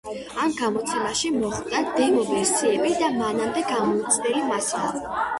ამ გამოცემაში მოხვდა დემო ვერსიები და მანამდე გამოუცემელი მასალა.